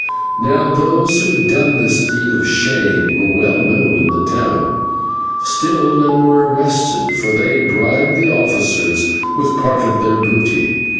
Now, those who had done this deed of shame were well known in the town; still none were arrested, for they bribed the officers with part of their booty.